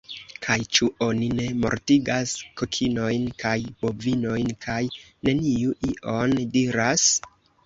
Kaj ĉu oni ne mortigas kokinojn kaj bovinojn kaj neniu ion diras?